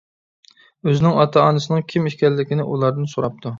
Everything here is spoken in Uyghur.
ئۆزىنىڭ ئاتا-ئانىسىنىڭ كىم ئىكەنلىكىنى ئۇلاردىن سوراپتۇ.